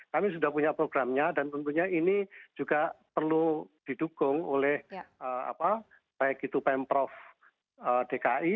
kami sudah punya programnya dan tentunya ini juga perlu didukung oleh baik itu pemprov dki